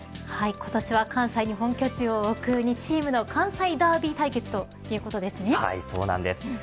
今年は関西に本拠地を置く２チームの関西ダービー対決ということですね。